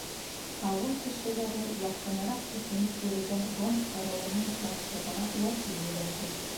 Ауыл кешеләре яҡындараҡ күсенеп йөрөгән гонд ырыуының башлығына вәкил ебәрҙе.